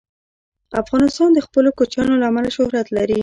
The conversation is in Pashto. افغانستان د خپلو کوچیانو له امله شهرت لري.